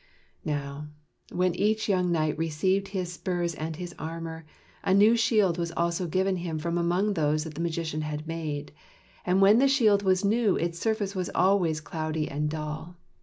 Now, when each young knight received his spurs and his armor, a new shield was also given him from among those that the magician had made; and when the shield was new its surface was always cloudy and dull.